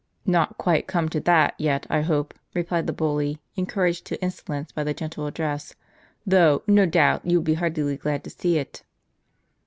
® U u "Not quite come to that yet, I hope," replied the bully, encouraged to insolence by the gentle address, "though, no doubt, you would be heartily glad to see it."